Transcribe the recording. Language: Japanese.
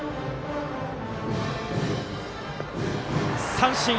三振。